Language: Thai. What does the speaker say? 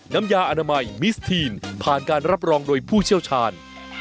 น้ำยาอนามัยมิสทีนผ่านการรับรองโดยผู้เชี่ยวชาญ